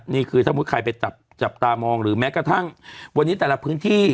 นี่คือถ้ามุติใครไปจับตามองหรือแม้กระทั่งวันนี้แต่ละพื้นที่